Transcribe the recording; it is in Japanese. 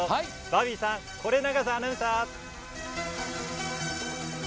バービーさん、是永アナウンサー。